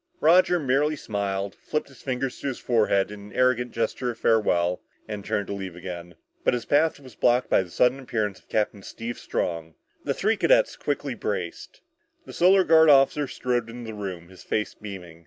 Roger merely smiled, flipped his fingers to his forehead in an arrogant gesture of farewell and turned to leave again. But his path was blocked by the sudden appearance of Captain Steve Strong. The three cadets quickly braced. The Solar Guard officer strode into the room, his face beaming.